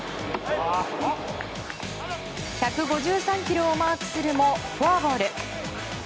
１５３キロをマークするもフォアボール。